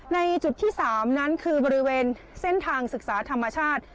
ในจุดที่๓นั้นคือบริเวณเส้นทางศึกษาธรรมชาติ